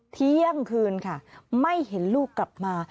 เที่ยงคืนค่ะไม่เห็นลูกกลับมา